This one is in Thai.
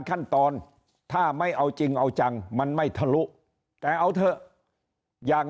ขั้นตอนถ้าไม่เอาจริงเอาจังมันไม่ทะลุแต่เอาเถอะอย่าง